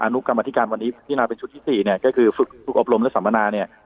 นุกรรมธิการวันนี้พินาเป็นชุดที่๔เนี่ยก็คือฝึกฝึกอบรมและสัมมนาเนี่ย